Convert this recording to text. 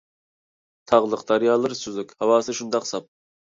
تاغلىق، دەريالىرى سۈزۈك، ھاۋاسى شۇنداق ساپ.